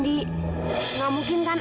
di gak mungkin kan